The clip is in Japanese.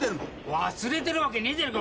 忘れてるわけねえじゃねえか。